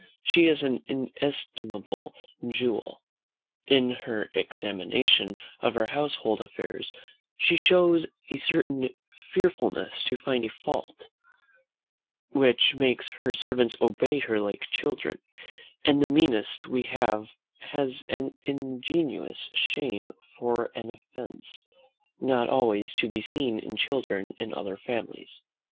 she is an inestimable jewel. In her examination of her household affairs she shows a certain fearfulness to find a fault, which makes her servants obey her like children: and the meanest we have has an ingenuous shame for an offence, not always to be seen in children in other families.